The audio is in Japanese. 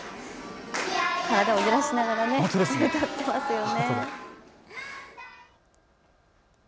体を揺らしながら歌ってますね。